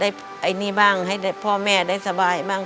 ไอ้นี่บ้างให้พ่อแม่ได้สบายบ้าง